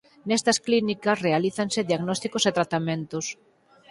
Nestas clínicas realízanse diagnósticos e tratamentos.